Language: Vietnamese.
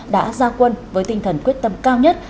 đã ra quân với tinh thần quyết tâm cao nhất